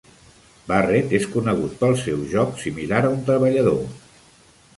Barrett és conegut pel seu joc similar a un treballador.